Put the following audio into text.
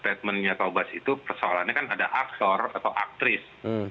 statementnya tobas itu persoalannya kan ada aktor atau aktris